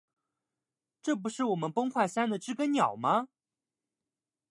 这不是我们崩坏三的知更鸟吗